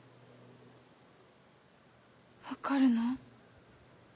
分かるの？